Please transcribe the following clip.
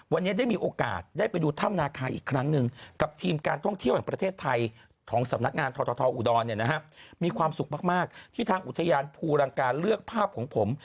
วันนี้ได้มีโอกาสนึกดูท่ำนาคาอีกครั้งหนึ่ง